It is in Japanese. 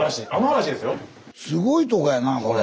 すごいとこやなこれ。